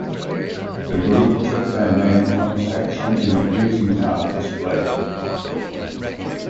The group took their name from a section in a greeting card display.